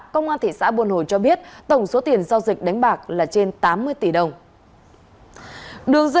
công an thị xã buôn hồ cho biết tổng số tiền giao dịch đánh bạc là trên tám mươi tỷ đồng